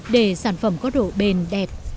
để sản phẩm có độ bền đẹp